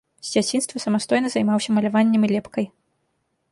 З дзяцінства самастойна займаўся маляваннем і лепкай.